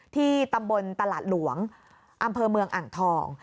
ที่ตำบลตลาดหลวงอำเภอเมืองอ่างทอง